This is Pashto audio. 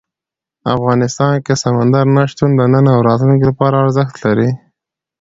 افغانستان کې سمندر نه شتون د نن او راتلونکي لپاره ارزښت لري.